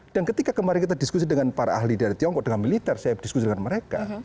dan ketika kemarin kita diskusi dengan para ahli dari tiongkok dengan militer saya berdiskusi dengan mereka